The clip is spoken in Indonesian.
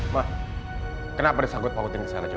ma kenapa disangkut panggutin ke sana coba